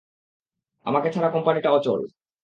আমাকে ছাড়া কোম্পানিটা অচল।